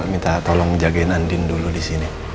minta tolong jagain andien dulu disini